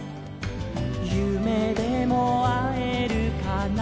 「ゆめでもあえるかな」